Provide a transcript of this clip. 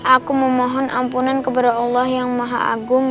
aku memohon ampunan kepada allah yang maha agung